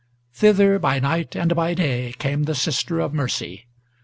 Thither, by night and by day, came the Sister of Mercy.